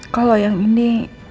kalau yang ini